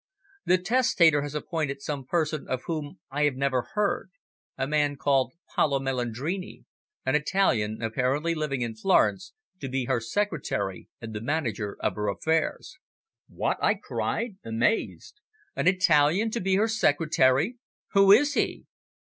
The testator has appointed some person of whom I have never heard a man called Paolo Melandrini, an Italian, apparently living in Florence, to be her secretary and the manager of her affairs." "What!" I cried, amazed. "An Italian to be her secretary! Who is he?"